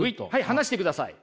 離してください。